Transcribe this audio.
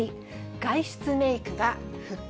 外出メークが復活！